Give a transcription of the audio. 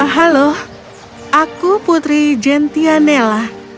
halo aku putri gentianela